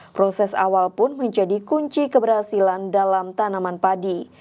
proses awal pun menjadi kunci keberhasilan dalam tanaman padi